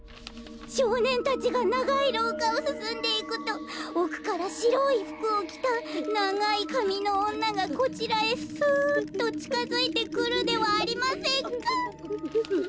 「少年たちが長い廊下を進んでいくと、奥から白い服を着た長い髪の女がこちらへすぅっと近づいてくるではありませんか。